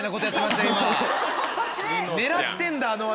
狙ってんだあの枠。